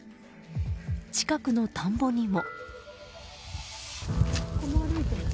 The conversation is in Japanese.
近くの田んぼにも。